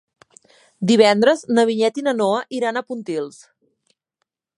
Divendres na Vinyet i na Noa iran a Pontils.